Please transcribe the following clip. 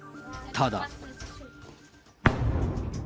ただ。